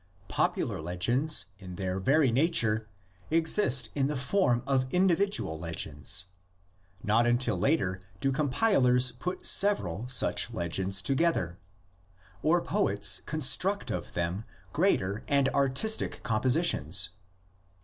^ Popular legends in their very nature exist in the form of individual legends; not until later do com pilers put several such legends together, or poets construct of them greater and artistic compositions.